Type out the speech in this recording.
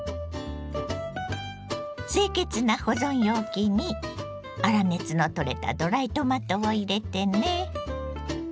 清潔な保存容器に粗熱の取れたドライトマトを入れてね。